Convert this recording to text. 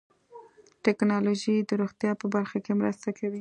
ټکنالوجي د روغتیا په برخه کې مرسته کوي.